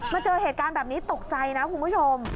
เจอเหตุการณ์แบบนี้ตกใจนะคุณผู้ชม